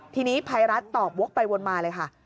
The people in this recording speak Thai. ทีนี้ภัยรัฐตอบวกไปวนมาเลยค่ะ